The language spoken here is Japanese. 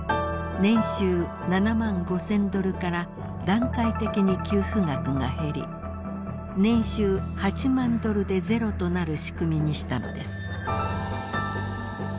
年収７万５，０００ドルから段階的に給付額が減り年収８万ドルでゼロとなる仕組みにしたのです。